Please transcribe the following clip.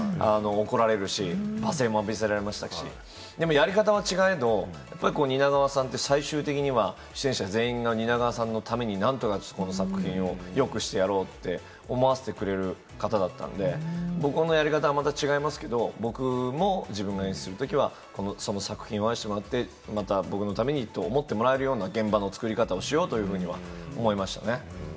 怒られるし、罵声を浴びせられるし、やり方は違えど、やっぱり蜷川さんは最終的には出演者全員が蜷川さんのために作品をよくしてやろうと思わせてくれる方だったんで、僕のやり方はまた違いますけれども、僕も自分が演出するときは、その作品は一緒になって、僕のためにと思ってもらえるような現場の作り方をしようというふうには思いましたね。